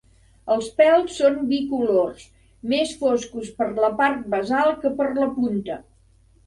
Els pèls són bicolors, més foscos per la part basal que per la punta.